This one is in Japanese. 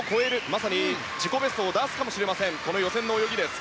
まさに自己ベストを出すかもしれませんこの予選の泳ぎです。